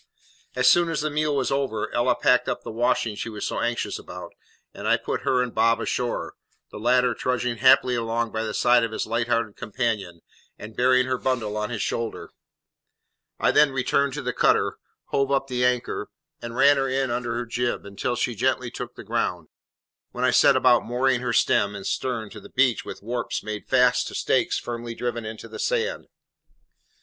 As soon as the meal was over Ella packed up the washing she was so anxious about, and I put her and Bob ashore, the latter trudging happily along by the side of his light hearted companion, and bearing her bundle on his shoulder. I then returned to the cutter, hove up the anchor, and ran her in under her jib, until she gently took the ground, when I set about mooring her stem and stern to the beach with warps made fast to stakes firmly driven into the sand.